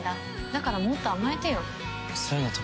だからもっと甘えてよ。